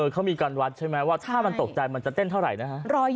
เขามีการวัดใช่ไหมว่าถ้ามันตกใจมันจะเต้นเท่าไหร่นะฮะ